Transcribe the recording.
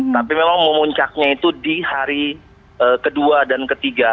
tapi memang memuncaknya itu di hari kedua dan ketiga